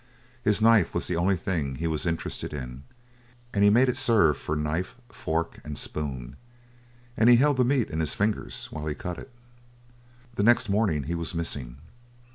His knife was the only thing he was interested in and he made it serve for knife, fork, and spoon, and he held the meat in his fingers while he cut it. The next morning he was missing.